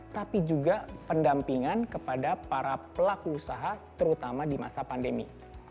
tapi juga pendampingan kepada para pelaku usaha terutama di masa pandemi